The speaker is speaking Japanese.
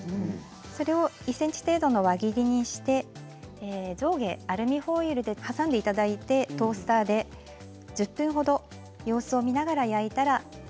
それを１ｃｍ程度の輪切りにして上下アルミホイルで挟んでいただいてトースターで１０分ほど様子を見ながら焼いたら完成です。